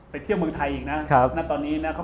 ไปเที่ยวเมืองไทยอีกนะ